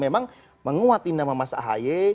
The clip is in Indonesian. memang menguat ini nama mas ahi